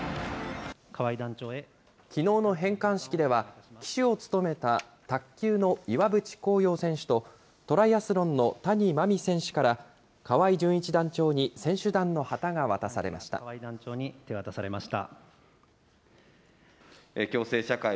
きのうの返還式では、旗手を務めた卓球の岩渕幸洋選手と、トライアスロンの谷真海選手から河合純一団長に選手団の旗が渡されました。